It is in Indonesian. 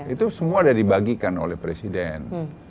itu semua sudah dibagikan oleh presiden